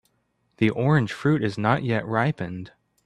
The orange fruit is not yet ripened.